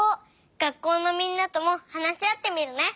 学校のみんなともはなしあってみるね。